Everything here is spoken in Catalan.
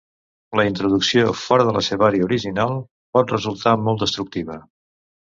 La introducció fora de la seva àrea original pot resultar molt destructiva.